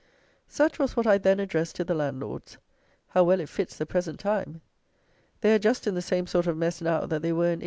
Such was what I then addressed to the Landlords. How well it fits the present time! They are just in the same sort of mess, now, that they were in 1822.